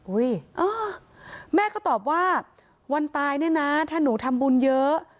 แม่ก็ตอบว่าวันตายเนี่ยนะถ้าหนูทำบุญเยอะ